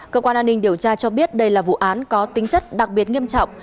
cơ quan an ninh điều tra cho biết đây là vụ án có tính chất đặc biệt nghiêm trọng